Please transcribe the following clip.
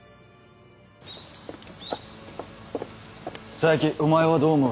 佐伯お前はどう思う？